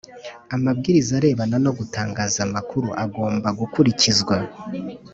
Amabwiriza arebana no gutangaza amakuru agomba gukurikizwa